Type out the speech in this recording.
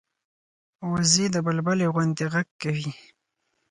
وزې د بلبلي غوندې غږ کوي